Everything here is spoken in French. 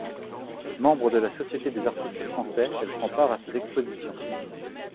Membre de la Société des Artistes Français, elle prend part à ses expositions.